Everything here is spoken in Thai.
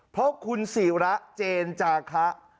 เพราะคุณศิระเจนจาคะ